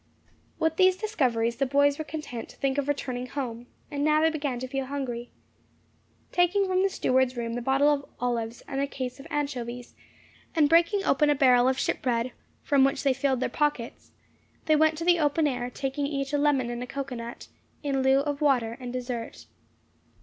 With these discoveries the boys were content to think of returning home; and now they began to feel hungry. Taking from the steward's room the bottle of olives and case of anchovies, and breaking open a barrel of shipbread, from which they filled their pockets, they went to the open air, taking each a lemon and cocoanut, in lieu of water and dessert.